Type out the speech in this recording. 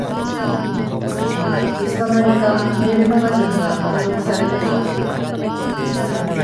いつの間にかメールマガジンが登録されてた